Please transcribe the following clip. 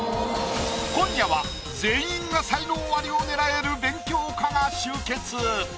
今夜は全員が才能アリを狙える勉強家が集結。